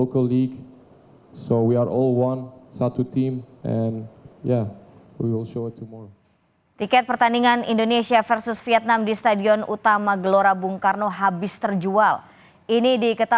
tapi kita masih memiliki pasport dan darah indonesia jadi kita semua orang indonesia